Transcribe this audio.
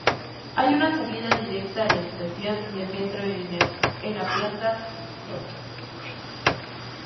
Hay una salida directa a la estación de metro en la planta sótano.